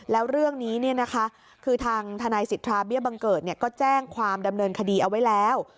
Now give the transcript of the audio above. แล้วเรื่องนี้คือทางทนายสิทธาเบี้ยบังเกิดก็แจ้งความดำเนินคดีเอาไว้แล้ว